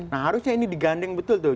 nah harusnya ini digandeng betul tuh